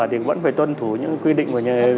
thì vẫn phải tuân thủ những quy định